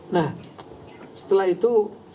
nah setelah itu